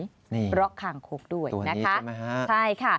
นี่ตัวนี้ใช่ไหมฮะตัวนี้ด้วยนะคะใช่ค่ะ